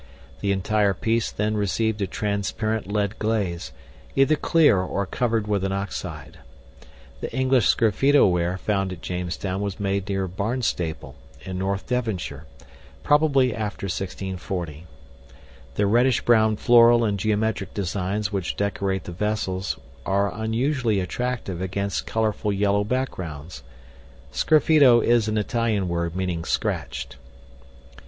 The entire piece then received a transparent lead glaze, either clear or covered with an oxide. The English sgraffito ware found at Jamestown was made near Barnstaple, in North Devonshire, probably after 1640. The reddish brown floral and geometric designs which decorate the vessels are unusually attractive against colorful yellow backgrounds. Sgraffito is an Italian word meaning scratched.